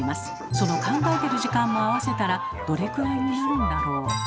その考えてる時間も合わせたらどれくらいになるんだろう？